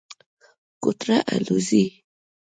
کوتره الوځي.